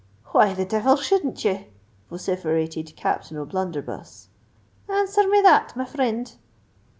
"Why the devil shouldn't ye?" vociferated Captain O'Blunderbuss. "Answer me that, my frind?"